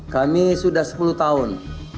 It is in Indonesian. kami sudah sepuluh tahun